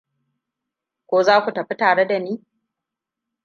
Ko za ku tafi tare da ni?